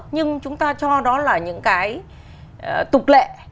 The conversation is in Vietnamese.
nhưng chúng ta cho đó là những cái tục lệ